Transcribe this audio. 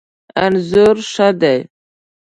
انځور ښه دی